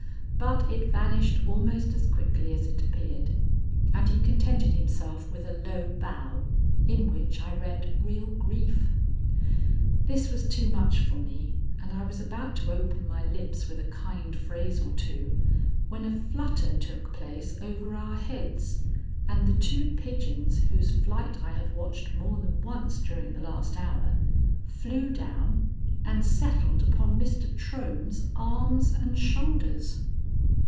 But it vanished almost as quickly as it appeared, and he contented himself with a low bow, in which I read real grief. This was too much for me, and I was about to open my lips with a kind phrase or two, when a flutter took place over our heads, and the two pigeons whose flight I had watched more than once during the last hour, flew down and settled upon Mr. Trohm's arm and shoulders.